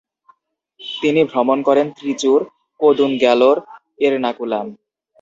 তিনি ভ্রমণ করেন ত্রিচুড়, কোদুনগ্যালোর, এর্নাকুলাম।